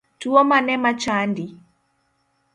Tuo mane machandi